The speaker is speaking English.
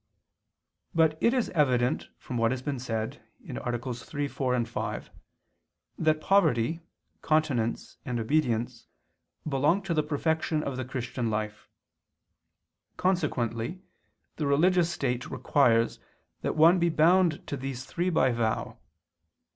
But it is evident from what has been said (AA. 3, 4, 5) that poverty, continence, and obedience belong to the perfection of the Christian life. Consequently the religious state requires that one be bound to these three by vow.